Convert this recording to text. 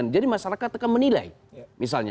jadi masyarakat akan menilai